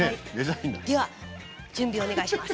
では準備をお願いします。